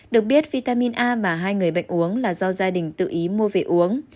được biết vitamin a mà hai người bệnh uống là do gia đình tự ý mua về uống